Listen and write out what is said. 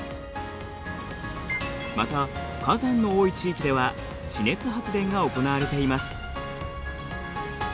また火山の多い地域では地熱発電が行われています。